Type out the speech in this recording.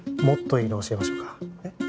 もっといいの教えましょうか？